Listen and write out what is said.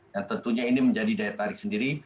dan tentunya ini menjadi daya tarik sendiri